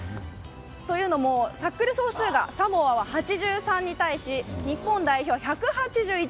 というのも、タックル総数がサモアは８３に対し日本代表は１８１。